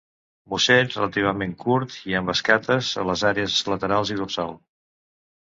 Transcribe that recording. Musell relativament curt i amb escates a les àrees laterals i dorsal.